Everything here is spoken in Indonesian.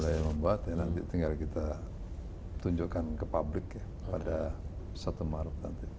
yang membuat ya nanti tinggal kita tunjukkan ke publik ya pada satu maret nanti